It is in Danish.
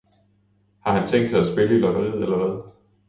Har han tænkt sig at spille i lotteriet eller hvad?